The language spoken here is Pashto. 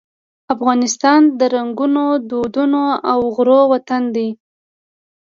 افغانستان د رنګونو، دودونو او غرور وطن دی.